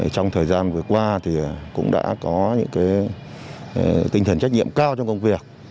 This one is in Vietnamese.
trong thời gian vừa qua cũng đã có những tinh thần trách nhiệm cao trong công việc